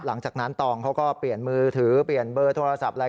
หลังจากนั้นตองเขาก็เปลี่ยนมือถือเปลี่ยนเบอร์โทรศัพท์อะไร